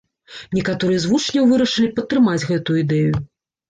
Некаторыя з вучняў вырашылі падтрымаць гэту ідэю.